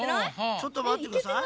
ちょっとまってください。